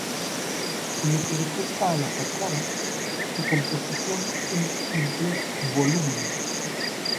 En lo que respecta a la fachada, su composición es en tres volúmenes.